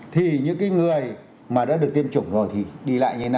thì những người mà đã được tiêm chủng rồi thì đi lại như thế nào